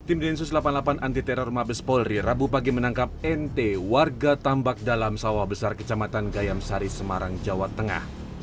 tim densus delapan puluh delapan anti teror mabes polri rabu pagi menangkap nt warga tambak dalam sawah besar kecamatan gayamsari semarang jawa tengah